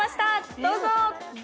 どうぞ！